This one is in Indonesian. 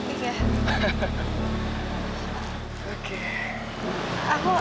kamu yang pemilik selendang itu kan